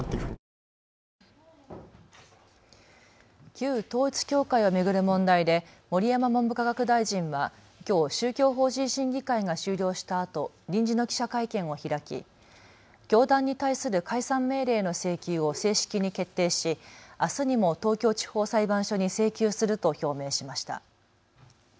旧統一教会を巡る問題で盛山文部科学大臣はきょう宗教法人審議会が終了したあと臨時の記者会見を開き教団に対する解散命令の請求を正式に決定し、あすにも東京地方裁判所に請求すると表明しました。